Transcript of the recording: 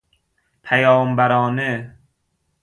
پیام برانه